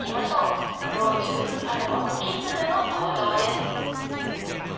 老中・田沼意次の登場です。